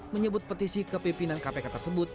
menyebut petisi kepimpinan kpk tersebut